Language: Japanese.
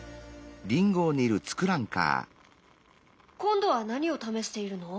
今度は何を試しているの？